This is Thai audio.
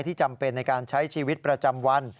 จำเป็นในการใช้ชีวิตประจำวัน